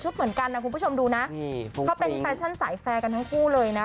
เหมือนกันนะคุณผู้ชมดูนะเขาเป็นแฟชั่นสายแฟร์กันทั้งคู่เลยนะ